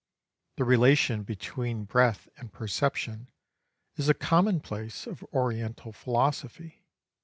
The relation between breath and perception is a commonplace of Oriental philosophy.